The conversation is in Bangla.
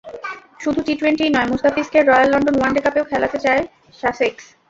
শুধু টি-টোয়েন্টিই নয়, মুস্তাফিজকে রয়্যাল লন্ডন ওয়ানডে কাপেও খেলাতে চায় সাসেক্স।